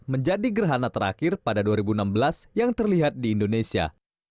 menjadi gerhana terakhir pada dua ribu enam belas yang terlihat di indonesia